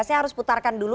saya harus putarkan dulu